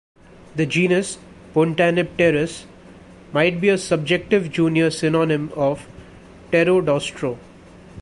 The genus "Puntanipterus" might be a subjective junior synonym of "Pterodaustro".